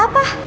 mimpi si karta